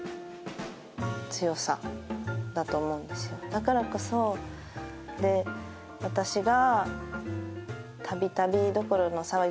だからこそ私が。